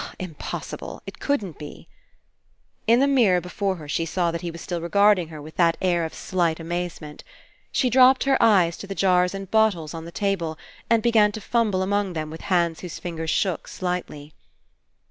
Impos sible. It couldn't be. In the mirror before her she saw that he was still regarding her with that air of slight amazement. She dropped her eyes to the jars i6i PASSING and bottles on the table and began to fumble among them with hands whose fingers shook slightly.